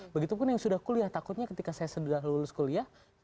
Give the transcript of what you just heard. begitupun yang sudah kuliah takutnya ketika saya sudah lulus kuliah